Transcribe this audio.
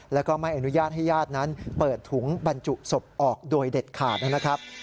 แล้วก็ไม่อนุญาตให้ญาตินั้นเปิดถุงบรรจุศพออกโดยเด็ดขาดนะครับ